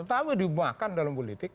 tapi dimakan dalam politik